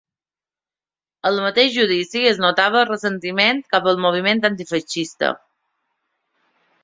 Al mateix judici es notava el ressentiment cap al moviment antifeixista.